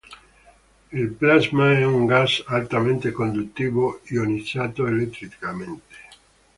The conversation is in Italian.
Il plasma è un gas altamente conduttivo ionizzato elettricamente.